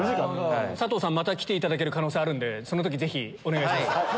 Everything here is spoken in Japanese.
佐藤さんまた来ていただける可能性あるんでその時ぜひお願いします。